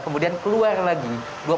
kemudian keluar lagi